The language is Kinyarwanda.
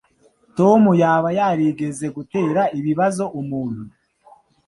Tom yaba yarigeze gutera ibibazo umuntu?